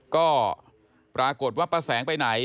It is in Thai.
ก็ปรากฏว่าป้าแสงไปไหน